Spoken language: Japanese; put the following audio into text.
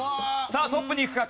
さあトップにいくか？